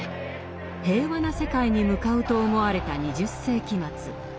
平和な世界に向かうと思われた２０世紀末。